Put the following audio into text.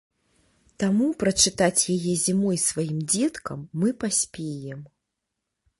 Таму прачытаць яе зімой сваім дзеткам мы паспеем.